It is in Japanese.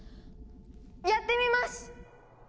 やってみます！